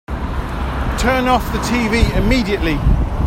Turn off the tv immediately!